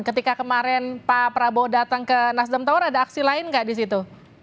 ketika kemarin pak prabowo datang ke nasdem tower ada aksi lain nggak di situ